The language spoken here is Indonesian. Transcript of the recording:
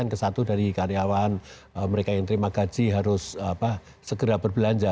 dan kesatu dari karyawan mereka yang terima gaji harus segera berbelanja